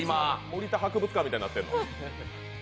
森田博物館みたいになってんの？